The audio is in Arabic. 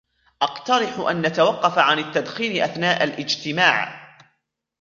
اقترحَ أن نتوقف عن التدخين أثناء الاجتماع.